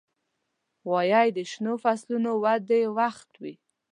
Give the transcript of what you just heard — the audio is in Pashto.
غویی د شنو فصلونو د ودې وخت وي.